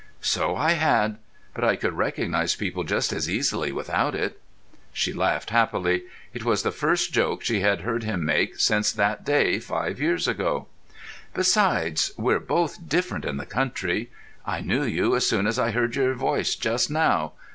"So I had. But I could recognise people just as easily without it." She laughed happily. It was the first joke she had heard him make since that day five years ago. "Besides, we're both different in the country. I knew you as soon as I heard your voice just now.